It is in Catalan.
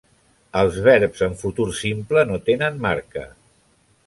Els verbs en futur simple no tenen marca.